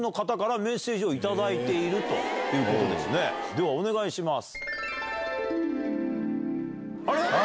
ではお願いします。